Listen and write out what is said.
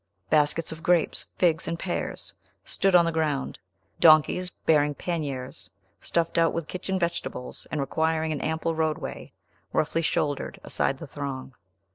Baskets of grapes, figs, and pears stood on the ground. Donkeys, bearing panniers stuffed out with kitchen vegetables, and requiring an ample roadway, roughly shouldered aside the throng.